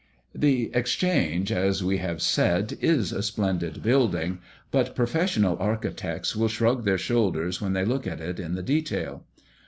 The Exchange, as we have said, is a splendid building; but professional architects will shrug their shoulders when they look at it in the detail.